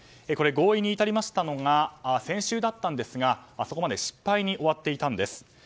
これ、合意に至りましたのが先週だったんですがそこまで失敗に終わっていたんです。